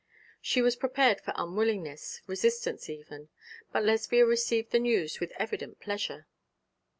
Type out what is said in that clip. She was prepared for unwillingness, resistance even; but Lesbia received the news with evident pleasure.